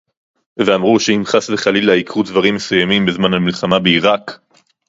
ואמרו שאם חס וחלילה יקרו דברים מסוימים בזמן המלחמה בעירק